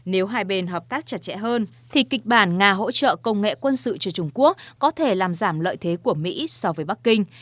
nếu hai bên hợp tác chặt chẽ hơn thì kịch bản nga hỗ trợ công nghệ quân sự cho trung quốc có thể làm giảm lợi thế của mỹ so với bắc kinh